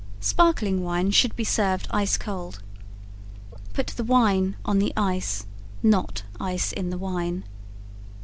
Sparkling wine should be served ice cold. Put the wine on the ice not ice in the wine.